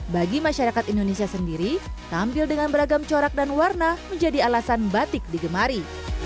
bagi masyarakat indonesia sendiri tampil dengan beragam corak dan warna menjadi alasan batik digemari